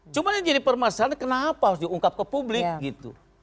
cuma yang jadi permasalahan kenapa harus diungkap ke publik gitu